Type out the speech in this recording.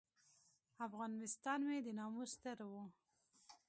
افغانستان مې د ناموس ستر و.